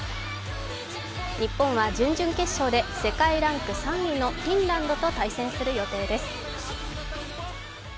日本は準々決勝で世界ランク３位のフィンランドと対戦する予定です。